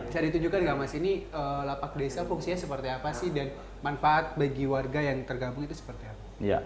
bisa ditunjukkan nggak mas ini lapak desa fungsinya seperti apa sih dan manfaat bagi warga yang tergabung itu seperti apa